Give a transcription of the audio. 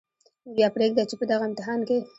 نو بیا پرېږدئ چې په دغه امتحان کې